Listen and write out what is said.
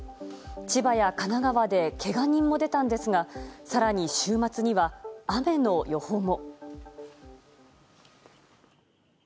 千葉や神奈川でけが人も出たんですが更に週末には雨の予報も。